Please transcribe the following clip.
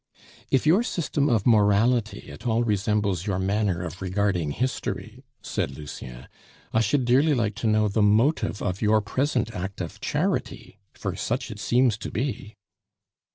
"If your system of morality at all resembles your manner of regarding history," said Lucien, "I should dearly like to know the motive of your present act of charity, for such it seems to be."